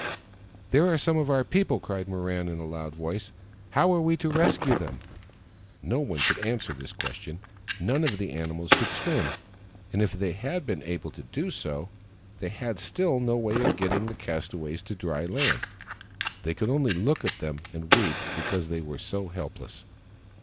" There are some of our people !" cried Mirran in a loud voice. " How are we to rescue them ?" No one could answer this question. None of the animals could swim, and if they had been able to do so, they had still no way of getting the castaways to dry land. They could only look at them and weep because they were so helpless.